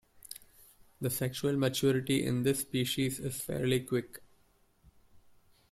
The sexual maturity in this species is fairly quick.